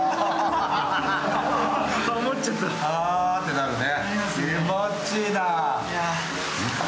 あってなるね。